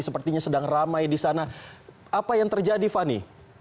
sepertinya sedang ramai di sana apa yang terjadi fani